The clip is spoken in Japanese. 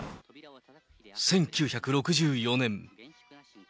１９６４年。